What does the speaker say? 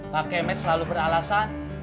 pak kemet selalu beralasan